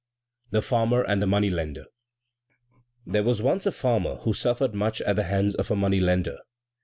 The Farmer and the Money lender There was once a farmer who suffered much at the hands of a money lender.